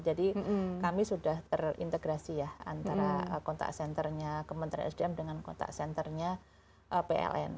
jadi kami sudah terintegrasi ya antara kontak senternya kementerian sdm dengan kontak senternya plm